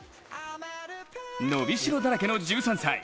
伸びしろだらけの１３歳。